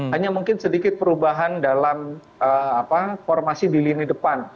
hanya mungkin sedikit perubahan dalam formasi di lini depan